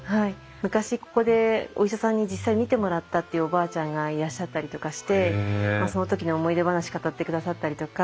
昔ここでお医者さんに実際診てもらったっていうおばあちゃんがいらっしゃったりとかしてその時の思い出話語ってくださったりとか。